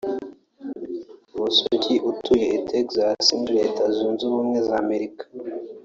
Busogi utuye i Texas muri Leta Zunze ubumwe za Amerika